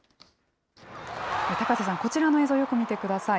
高瀬さん、こちらの映像、よく見てください。